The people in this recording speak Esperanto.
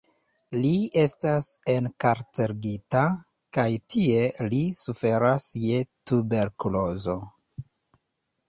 Li estas enkarcerigita, kaj tie li suferas je tuberkulozo.